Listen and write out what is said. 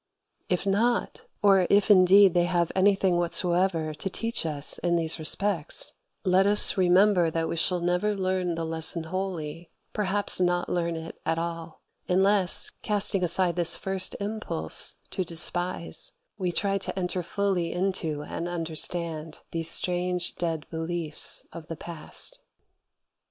If not, or if indeed they have anything whatsoever to teach us in these respects, let us remember that we shall never learn the lesson wholly, perhaps not learn it at all, unless, casting aside this first impulse to despise, we try to enter fully into and understand these strange dead beliefs of the past.